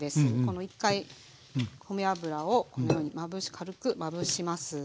一回米油をこのように軽くまぶします。